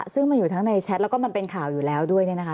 ซึ่งมันอยู่ทั้งในแชทแล้วก็มันเป็นข่าวอยู่แล้วด้วย